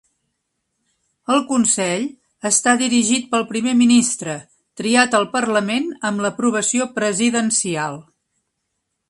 El Consell està dirigit pel Primer Ministre, triat al parlament amb l'aprovació presidencial.